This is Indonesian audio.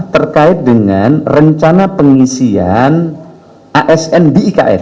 terkait dengan rencana pengisian asn di ikn